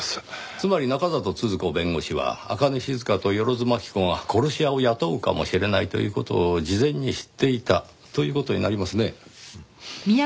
つまり中郷都々子弁護士は朱音静と万津蒔子が殺し屋を雇うかもしれないという事を事前に知っていたという事になりますね。